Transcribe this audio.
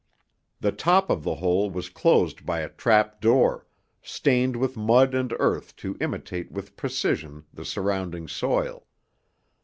The top of the hole was closed by a trap door, stained with mud and earth to imitate with precision the surrounding soil.